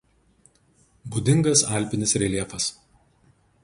Būdingas alpinis reljefas.